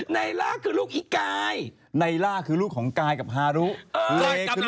นายล่าคือลูกไอ้กาย